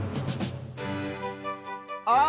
ああ！